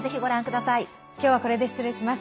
今日はこれで失礼します。